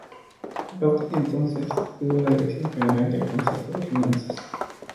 A partir de entonces tuvo la dirección general del Consejo de Finanzas.